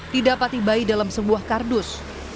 didapati bayi dalam sebuah kardus